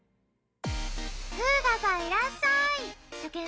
「フーガさんいらっしゃい！」。